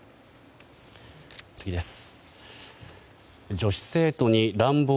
次です。